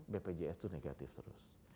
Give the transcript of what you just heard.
bpjs tuh negatif terus